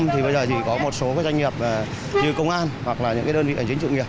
thì bây giờ chỉ có một số doanh nghiệp như công an hoặc là những đơn vị ảnh chính trị nghiệp